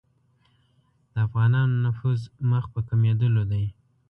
د افغانانو نفوذ مخ په کمېدلو دی.